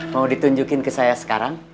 mau ditunjukin ke saya sekarang